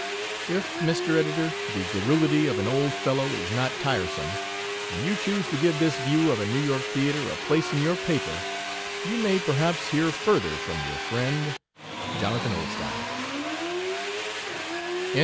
If, Mr. Editor, the garrulity of an old fel low is not tiresome, and you choose to give this view of a New York Theatre a place in your paper, you may, perhaps, hear further from your friend, Jonathan Oldstyle.